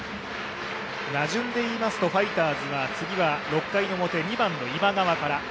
打順で言いますと、ファイターズは次が６回表２番の今川から。